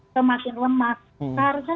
semakin lemas harusnya